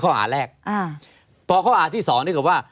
ของเจ้าพูดอีก